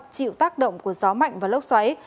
trịu tác động của gió mạnh và lốc xoáy